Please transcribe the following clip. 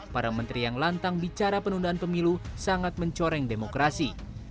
para menteri yang lantang bicara penundaan pemilu sangat mencoreng demokrasi